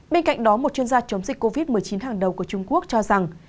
bên cạnh đó một chuyên gia chống dịch covid một mươi chín hàng đầu của trung quốc cho rằng